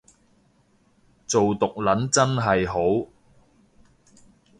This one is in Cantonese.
做毒撚真係好